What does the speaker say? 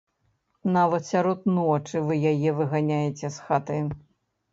Нават сярод ночы вы яе выганяеце з хаты.